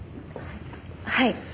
はい。